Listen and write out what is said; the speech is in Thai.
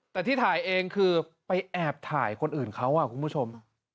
แต่ที่ถ่ายเองคือไปแอบถ่ายคนอื่นเขาคุณผู้ชม